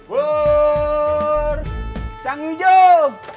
pur cang hijau